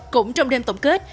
cũng trong đêm tổng kết